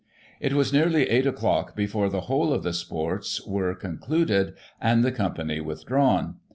It was neaxly eight o'clock before the whole of the sports were concluded aiid the com pany withdrawn.